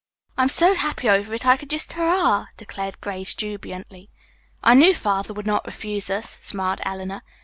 "I'm so happy over it I could hurrah," declared Grace jubilantly. "I knew Father would not refuse us," smiled Eleanor.